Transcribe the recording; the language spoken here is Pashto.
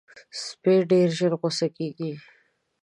سپي ډېر ژر غصه کېږي.